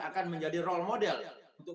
akan menjadi role model untuk